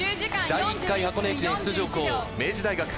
第１回箱根駅伝出場校、明治大学。